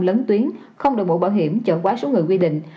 lấn tuyến không đồ mộ bảo hiểm chở quá số người quy định